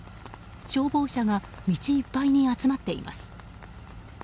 消防車が道いっぱいに集まっています。